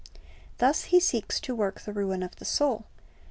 Thus he seeks to work the ruin of the soul.